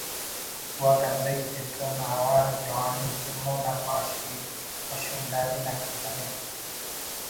و گندئی تتون اوار جوانی تے مون آ پاش کے و شونداری نا کسر ءِ